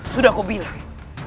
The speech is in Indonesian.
sudah aku bilang